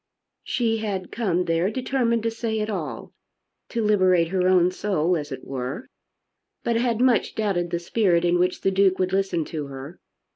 She had come there determined to say it all, to liberate her own soul as it were, but had much doubted the spirit in which the Duke would listen to her.